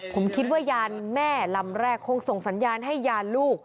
ผมคิดว่ายานแม่ลำแรกคงส่งสัญญาณให้ยานลูก